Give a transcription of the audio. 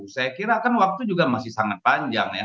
saya kira kan waktu juga masih sangat panjang ya